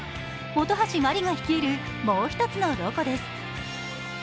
本橋麻里が率いる、もう一つのロコです。